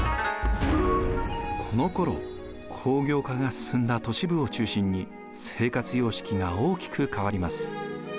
このころ工業化が進んだ都市部を中心に生活様式が大きく変わります。